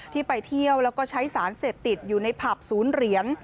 ที่ไปเที่ยวแล้วก็ใช้สารเสพติดอยู่ในผับศูนย์เหรียญ